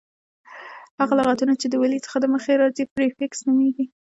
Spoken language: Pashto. هغه لغتونه، چي د ولي څخه دمخه راځي پریفکس نومیږي.